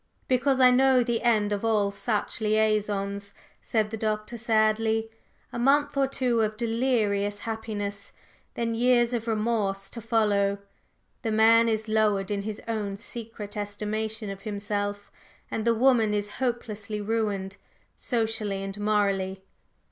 "Because I know the end of all such liaisons," said the Doctor sadly. "A month or two of delirious happiness, then years of remorse to follow. The man is lowered in his own secret estimation of himself, and the woman is hopelessly ruined, socially and morally.